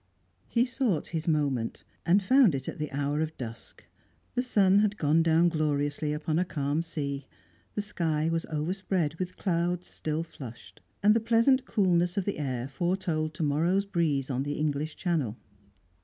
He sought his moment, and found it at the hour of dusk. The sun had gone down gloriously upon a calm sea; the sky was overspread with clouds still flushed, and the pleasant coolness of the air foretold to morrow's breeze on the English Channel.